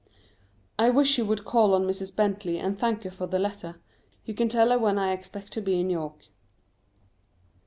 I wish you would call on Mrs. Bentley and thank her for the letter; you can tell her when I expect to be in York.